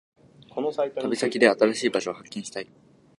旅行で新しい場所を発見したい。